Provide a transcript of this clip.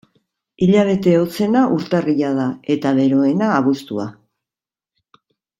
Hilabete hotzena urtarrila da eta beroena abuztua.